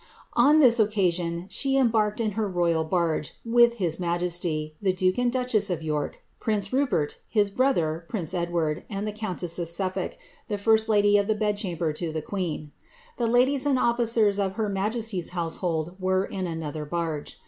On this occasion she embarked in her royal barge, with his majesty, the duke and duchess of York, prince Rupert, his brother, prince Ed* word, and the countess of Suffolk, the first lady of the bed chamber to , the queen ; the ladies and officers of her majesty's household were in another barge.